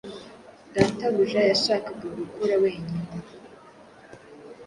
Databuja yashakaga gukora wenyine